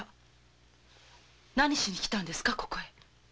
何しに来たんですかここへ？